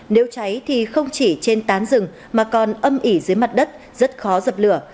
nếu cháy thì không chỉ trên tán rừng mà còn âm ỉ dưới mặt đất rất khó dập lửa